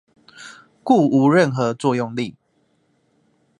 故無任何作用力